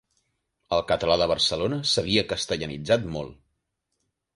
El català de Barcelona s'havia castellanitzat molt.